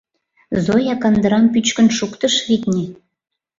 Зоя кандырам пӱчкын шуктыш, витне.